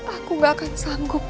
aku gak akan sanggup